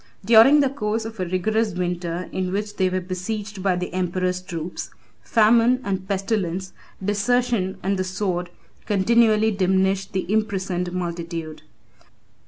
During the course of a rigorous winter in which they were besieged by the emperor's troops, famine and pestilence, desertion and the sword, continually diminished the imprisoned multitude.